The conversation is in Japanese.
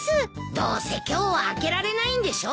どうせ今日は開けられないんでしょ。